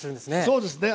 そうですね。